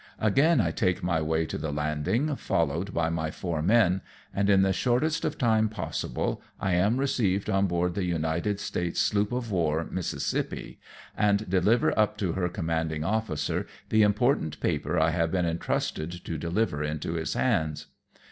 Again I take my way to the landing, followed by my four men, and, in the shortest of time possible, I am received on board the United States sloop of war Mississip]}!, and deliver up to her commanding officer the important paper I have been entrusted to deliver into his hands.